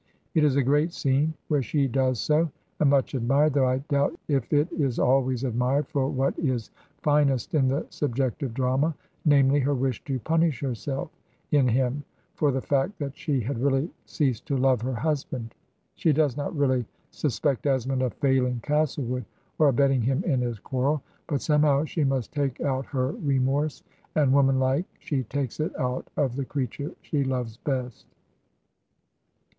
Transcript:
It is a great scene, where she does so, and much admired, though I doubt if it is always admired for what is finest in the subjective drama, namely, her wish to pimish herself in him for the fact that she had really ceased to love her husband. She does not really sus pect Esmond of failing Castlewood or abetting him in his quarrel; but somehow she must take out her re morse, and woman like she takes it out of the creature she loves best.